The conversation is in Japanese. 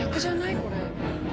これ。